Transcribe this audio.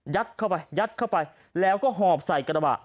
เข้าไปยัดเข้าไปแล้วก็หอบใส่กระบะ